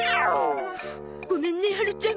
ごめんねはるちゃん。